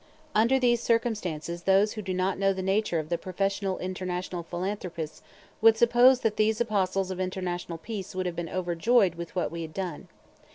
Under these circumstances those who do not know the nature of the professional international philanthropists would suppose that these apostles of international peace would have been overjoyed with what we had done.